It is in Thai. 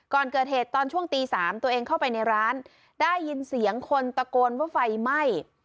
ก่อนเกิดเหตุตอนช่วงตี๓ตัวเองเข้าไปในร้านได้ยินเสียงคนตะโกนว่าไฟไหม้